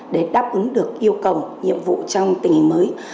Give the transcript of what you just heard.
để đáp ứng được yêu cầu nhiệm vụ trong tình hình mới